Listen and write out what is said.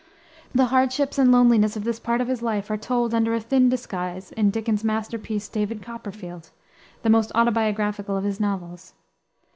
The hardships and loneliness of this part of his life are told under a thin disguise in Dickens's masterpiece, David Copperfield, the most autobiographical of his novels.